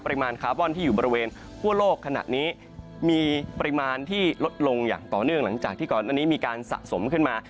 คาร์บอนที่อยู่บริเวณทั่วโลกขณะนี้มีปริมาณที่ลดลงอย่างต่อเนื่องหลังจากที่ก่อนอันนี้มีการสะสมขึ้นมา